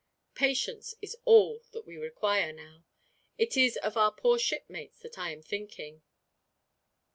Patience is all that we require, now. It is of our poor shipmates that I am thinking."